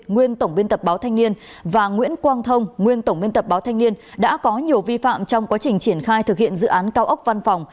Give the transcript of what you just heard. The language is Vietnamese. nguyên tổng biên tập báo thanh niên và nguyễn quang thông nguyên tổng biên tập báo thanh niên đã có nhiều vi phạm trong quá trình triển khai thực hiện dự án cao ốc văn phòng